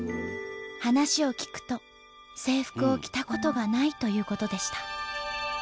話を聞くと制服を着たことがないということでした。